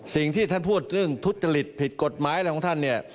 สิ่งที่ท่านพูดเรื่องทุจริตผิดกฎหมายอะไรของท่านเนี่ย